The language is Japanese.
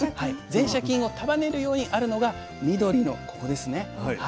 前斜筋を束ねるようにあるのが緑のここですね